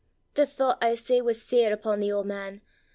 The thoucht, I say, was sair upo' the auld man.